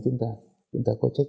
thì học tư học